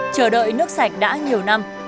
chờ đợi nước sạch đã nhiều năm